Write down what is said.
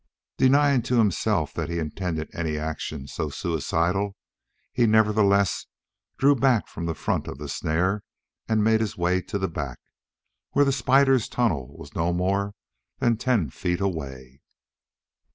Denying to himself that he intended any action so suicidal, he nevertheless drew back from the front of the snare and made his way to the back, where the spider's tunnel was no more than ten feet away.